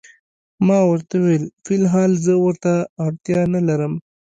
ما ورته وویل: فی الحال زه ورته اړتیا نه لرم.